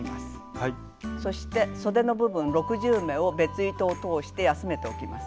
そしてそでの部分６０目を別糸を通して休めておきます。